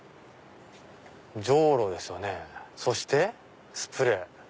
じょうろですよねそしてスプレー。